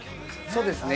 ◆そうですね。